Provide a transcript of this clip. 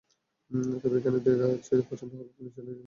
তবে এখানে দেখে পছন্দ হলে আপনি চাইলে কিকস্টার্টারে রিপোর্ট করতে পারবেন।